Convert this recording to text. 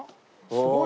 すごい！